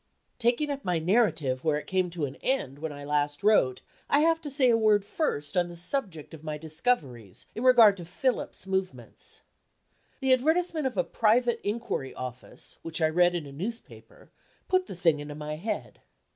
Taking up my narrative where it came to an end when I last wrote, I have to say a word first on the subject of my discoveries, in regard to Philip's movements. The advertisement of a private inquiry office, which I read in a newspaper, put the thing into my head.